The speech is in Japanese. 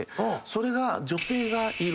それが。